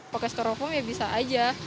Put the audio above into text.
pakai strofoam ya bisa aja